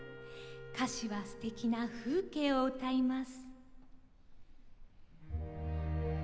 歌詞はすてきな風景を歌います。